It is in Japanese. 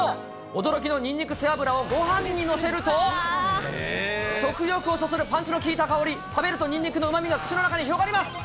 驚きのにんにく背脂をごはんに載せると、食欲をそそるパンチの効いた香り、食べるとにんにくのうまみが口の中に広がります。